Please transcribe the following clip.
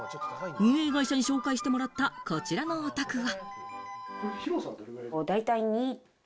運営会社に紹介してもらった、こちらのお宅は。